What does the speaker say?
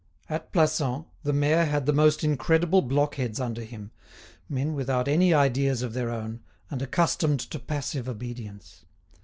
At Plassans, the mayor had the most incredible blockheads under him, men without any ideas of their own, and accustomed to passive obedience.